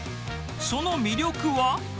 その魅力は？